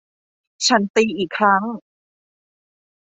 ฉันตีอีกครั้ง